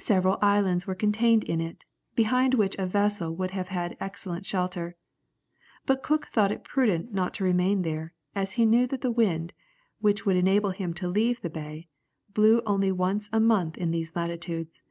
Several islands were contained in it, behind which a vessel would have excellent shelter; but Cook thought it prudent not to remain there, as he knew that the wind, which would enable him to leave the bay, blew only once a month in these latitudes.